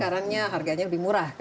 sekarang harganya lebih murah kan